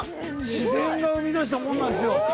自然が生み出したものなんですよ